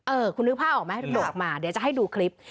คุณนึกภาพออกไหมโดดออกมาเดี๋ยวจะให้ดูคลิป